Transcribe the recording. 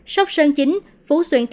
sóc sơn chín phú xuyên tám